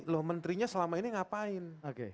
loh menterinya selama ini ngapain